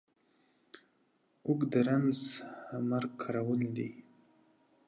اوږ د رنځ د مرگ کرول دي.